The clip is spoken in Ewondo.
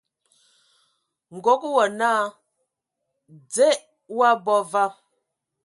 Nkɔg wɔ naa "Dze o abɔ va ?".